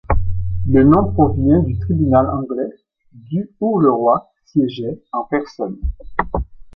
Le nom provient du tribunal anglais du où le roi siégeait en personne.